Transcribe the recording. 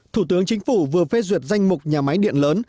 thủ tướng chính phủ vừa phê duyệt danh mục nhà máy điện lớn